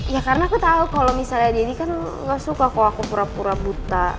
ya karena aku tahu kalau misalnya deddy kan gak suka kalau aku pura pura buta